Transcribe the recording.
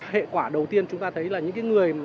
hệ quả đầu tiên chúng ta thấy là những người